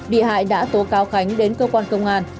bị hại đã tố cáo khánh đến cơ quan công an